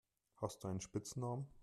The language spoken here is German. Hast du einen Spitznamen?